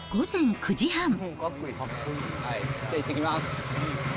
じゃあ、いってきます。